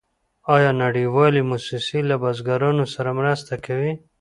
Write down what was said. آیا نړیوالې موسسې له بزګرانو سره مرسته کوي؟